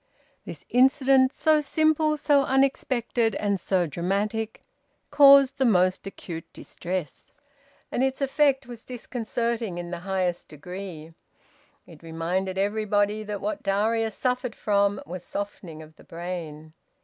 This incident, so simple, so unexpected, and so dramatic, caused the most acute distress. And its effect was disconcerting in the highest degree. It reminded everybody that what Darius suffered from was softening of the brain.